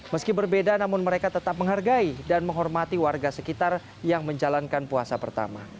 meski berbeda namun mereka tetap menghargai dan menghormati warga sekitar yang menjalankan puasa pertama